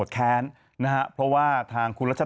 ทางแฟนสาวก็พาคุณแม่ลงจากสอพอ